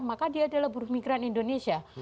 maka dia adalah buruh migran indonesia